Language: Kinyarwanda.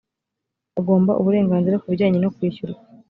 agomba uburenganzira ku bijyanye no kwishyurwa